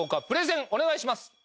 プレゼンお願いします。